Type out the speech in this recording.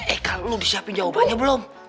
eka lo disiapin jawabannya belum